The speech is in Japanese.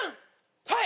はい。